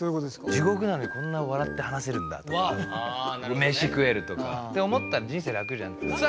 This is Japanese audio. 地獄なのにこんな笑って話せるんだとか飯食えるとか。って思ったら人生楽じゃんっていう。